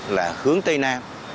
là hướng tây nam